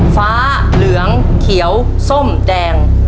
ฟ้าเหลืองเขียวส้มแดง